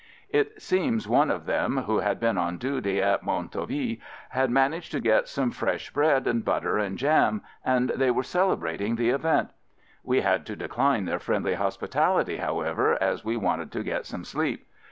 It seems one of them, who had been on duty at Montau FIELD SERVICE 73 ville, had managed to get some fresh bread and butter and jam, and they were cele brating the event! We had to decline their friendly hospitality, however, as we wanted to get some sleep.